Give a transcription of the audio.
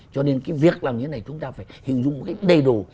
cho nên việc làm như thế này chúng ta phải hình dung đầy đủ